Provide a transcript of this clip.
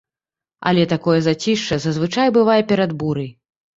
Але такое зацішша, зазвычай, бывае перад бурай.